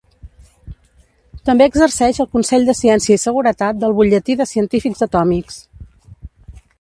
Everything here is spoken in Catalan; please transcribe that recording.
També exerceix al Consell de ciència i seguretat del Butlletí de Científics Atòmics.